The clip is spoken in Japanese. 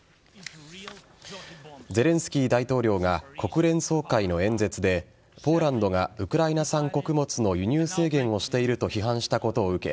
ゼレンスキー大統領が国連総会の演説でポーランドがウクライナ産穀物の輸入制限をしていると批判したことを受け